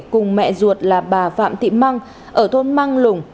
cùng mẹ ruột là bà phạm thị măng ở thôn mang lùng